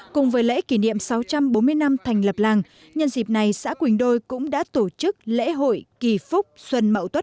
cùng với lễ kỷ niệm sáu trăm bốn mươi năm thành lập làng nhân dịp này xã quỳnh đôi cũng đã tổ chức lễ hội kỳ phúc xuân mẫu tuất hai nghìn một mươi tám